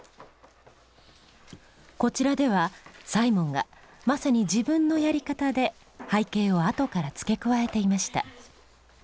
こちらではサイモンがまさに自分のやり方で背景をあとから付け加えていました。